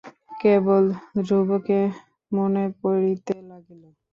কেবল ধ্রুবকে মনে পড়িতে লাগিল।